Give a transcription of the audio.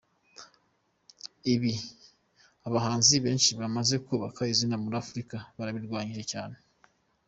Ibi, abahanzi benshi bamaze kubaka izina muri Afurika barabirwanyije cyane.